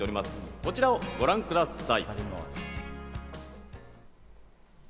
こちらをご覧ください。